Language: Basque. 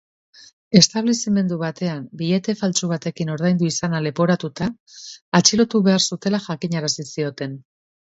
Establezimendu batean billete faltsu batekin ordaindu izana leporatuta atxilotu behar zutela jakinarazi zioten.